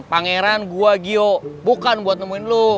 pangeran gua gio bukan buat nemuin lu